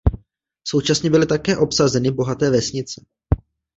Současně byly také obsazeny bohaté vesnice.